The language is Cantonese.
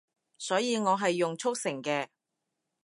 所以我係用速成嘅